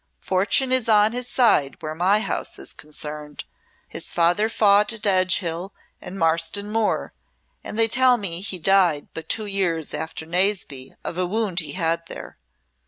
fortune is on his side where my house is concerned. His father fought at Edgehill and Marston Moor, and they tell me died but two years after Naseby of a wound he had there.